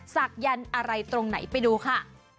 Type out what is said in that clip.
ศักยันต์อะไรตรงไหนไปดูค่ะ